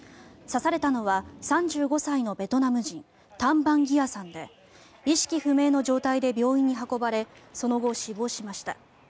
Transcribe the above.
刺されたのは３５歳のベトナム人タン・バン・ギアさんで意識不明の状態で病院に運ばれその後、死亡しました。